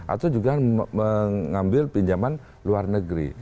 atau juga mengambil pinjaman luar negeri